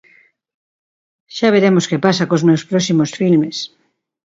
Xa veremos que pasa cos meus próximos filmes.